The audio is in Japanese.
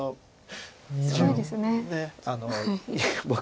すごいですね。